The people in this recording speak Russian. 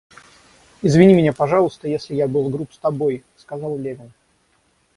Извини меня, пожалуйста, если я был груб с тобой, — сказал Левин.